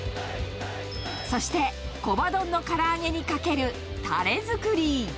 そして、コバ丼のから揚げにかけるたれ作り。